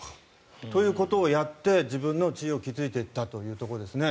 ということをやって自分の地位を築いていったということですね。